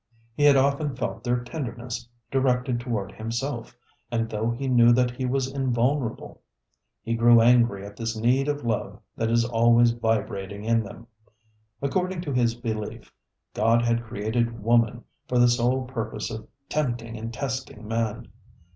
He had often felt their tenderness directed toward himself, and though he knew that he was invulnerable, he grew angry at this need of love that is always vibrating in them. According to his belief, God had created woman for the sole purpose of tempting and testing man.